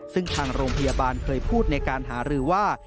ซึ่งทางโรงพยาบาลเคยพูดในการหารือว่า